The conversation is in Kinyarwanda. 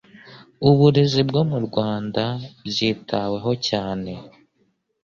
Uburezi bwo murwndabyitaweho cyane